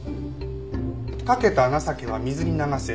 かけた情けは水に流せ。